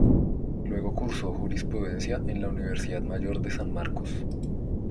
Luego cursó jurisprudencia en la Universidad Mayor de San Marcos.